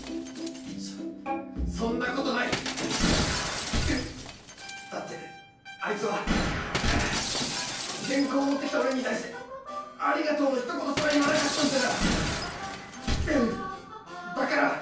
そそんなことないうっだってあいつは原稿を持ってきた俺に対してありがとうのひと言すら言わなかったんだからうっだからあいつは俺のタイプなんかじゃ絶対ない